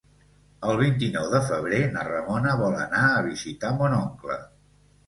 El vint-i-nou de febrer na Ramona vol anar a visitar mon oncle.